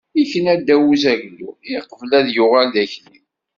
Ikna ddaw n uzaglu, iqbel ad yuɣal d akli.